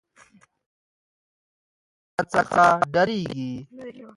هلک له انا څخه نه ډارېږي.